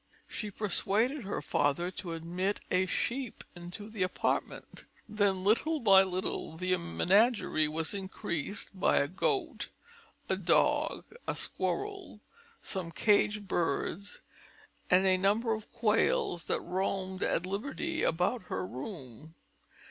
She persuaded her father to admit a sheep into the apartment; then, little by little, the menagerie was increased by a goat, a dog, a squirrel, some caged birds, and a number of quails that roamed at liberty about her room.